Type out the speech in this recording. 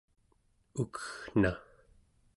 ukeggna